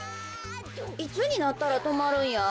いつになったらとまるんや？